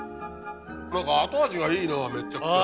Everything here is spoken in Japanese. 何か後味がいいなめっちゃくちゃ。